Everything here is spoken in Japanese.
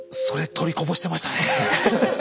それ取りこぼしてましたね。